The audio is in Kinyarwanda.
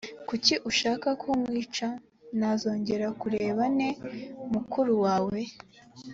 kuki ushaka ko nkwica nazongera nte kureba mukuru wawe